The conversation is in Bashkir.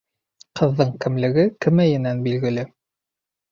Ҡыҙҙың кемлеге кемәйенән билгеле.